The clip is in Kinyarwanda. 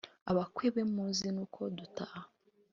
abakwe be, muzi n'uko dutaha